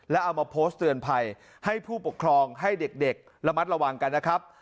แล้วเอามาโพสต์เตือนภัยให้ผู้ปกครองให้เด็กระมัดระวังกันนะครับ